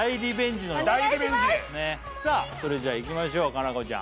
それじゃいきましょう夏菜子ちゃん